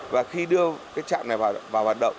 và khi đưa trạm này vào hoạt động